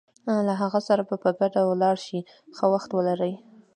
له هغه سره به په ګډه ولاړ شې، ښه وخت ولرئ.